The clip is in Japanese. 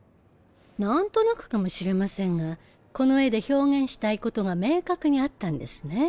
なんとなくかもしれませんがこの絵で表現したいことが明確にあったんですね。